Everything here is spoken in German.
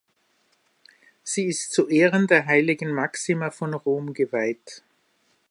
Sie ist zu Ehren der heiligen Maxima von Rom geweiht.